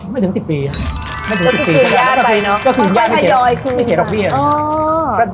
ไม่ถึงสิบปีอ่ะไม่ถึงสิบปีแล้วก็คืนใหญ่ไม่เสียไม่เสียหรอกพี่อ่ะ